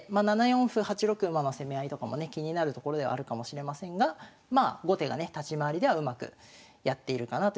７四歩８六馬の攻め合いとかもね気になるところではあるかもしれませんがまあ後手がね立ち回りではうまくやっているかなという感じです。